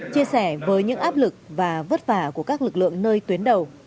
chia sẻ với những áp lực và vất vả của các lực lượng nơi tuyến đầu